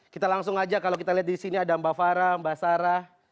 kita langsung aja kalau kita lihat disini ada mbak farah mbak sarah